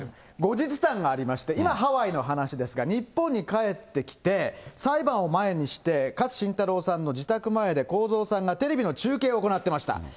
後日談がありまして、今ハワイの話ですが、日本に帰ってきて、裁判を前にして勝新太郎さんの自宅前で公造さんがテレビの中継を行ってました。